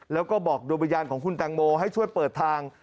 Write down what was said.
แล้วก็บอกดวงวิญญาณของคุณแตงโมให้ช่วยเปิดทาง